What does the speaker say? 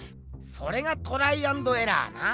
それがトライアンドエラーな？